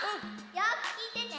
よくきいてね！